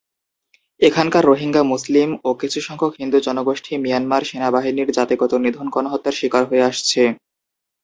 এখানকার রোহিঙ্গা মুসলিম ও কিছু হিন্দু জনগোষ্ঠী মিয়ানমার সেনাবাহিনীর জাতিগত নিধন গণহত্যার শিকার হয়ে আসছে।